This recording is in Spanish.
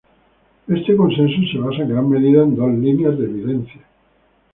Este consenso se basa en gran medida en dos líneas de evidencia.